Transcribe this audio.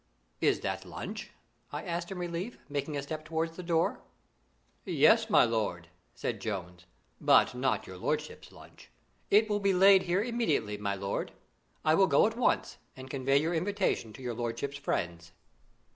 "Is that lunch?" I asked in relief, making a step towards the door. "Yes, my lord," said Jones; "but not your lordship's lunch. It will be laid here immediately, my lord. I will go at once and convey your invitation to your lordship's friends."